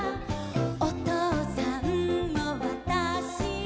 「おとうさんもわたしも」